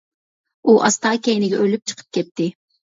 ئۇ ئاستا كەينىگە ئۆرۈلۈپ چىقىپ كەتتى.